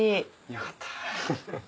よかった。